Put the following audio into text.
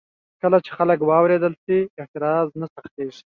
کله چې خلک واورېدل شي، اعتراض نه سختېږي.